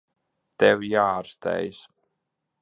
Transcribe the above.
Tev jāārstējas.